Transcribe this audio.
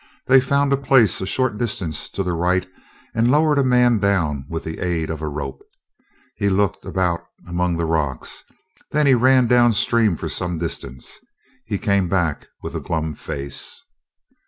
They found a place a short distance to the right and lowered a man down with the aid of a rope. He looked about among the rocks. Then he ran down the stream for some distance. He came back with a glum face.